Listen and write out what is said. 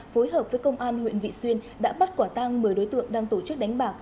phối hợp với công an huyện vị xuyên đã bắt quả tang một mươi đối tượng đang tổ chức đánh bạc